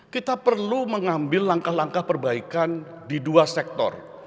kita perlu mengambil langkah langkah perbaikan di dua sektor